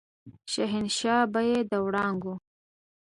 شهنشاه به يې د وړانګو